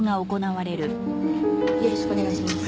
よろしくお願いします。